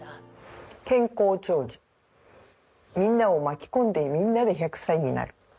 「健康長寿みんなを巻き込んでみんなで１００歳になる」。